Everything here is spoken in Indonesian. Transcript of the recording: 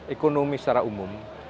ekonomi secara umum